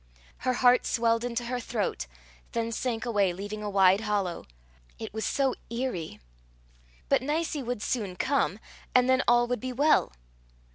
Her heart swelled into her throat, then sank away, leaving a wide hollow. It was so eerie! But Nicie would soon come, and then all would be well.